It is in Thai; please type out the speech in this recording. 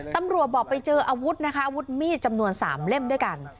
ตำรวจบอกไปเจออาวุธนะคะอาวุธมีดจำนวน๓เล่มด้วยกัน